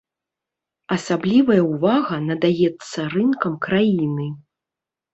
Асаблівая ўвага надаецца рынкам краіны.